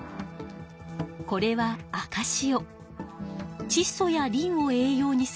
これは赤潮。